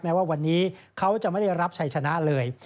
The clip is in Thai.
ว่าวันนี้เขาจะไม่ได้รับชัยชนะเลย